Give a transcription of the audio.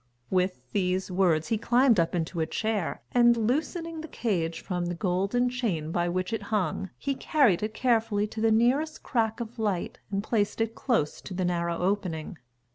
With these words, he climbed up into a chair and, loosening the cage from the golden chain by which it hung, he carried it carefully to the nearest crack of light and placed it close to the narrow opening.